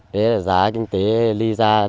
đấy là giá kinh tế ly ra